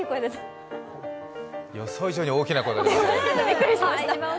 予想以上に大きな声が出ましたね。